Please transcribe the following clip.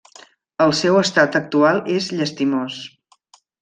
El seu estat actual és llastimós.